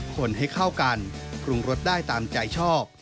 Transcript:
คนให้เข้ากันปรุงรสได้ตามใจชอบ